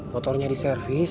motornya di servis